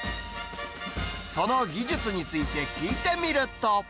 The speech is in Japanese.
その技術について聞いてみると。